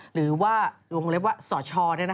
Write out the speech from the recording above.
หรือว่าเรียกว่าสอชรเนี่ยนะฮะ